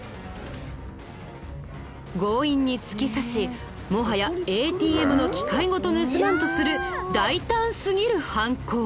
強引に突き刺しもはやＡＴＭの機械ごと盗まんとする大胆すぎる犯行。